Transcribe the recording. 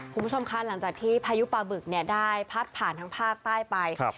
คุณผู้ชมคะหลังจากที่พายุปลาบึกเนี่ยได้พัดผ่านทางภาคใต้ไป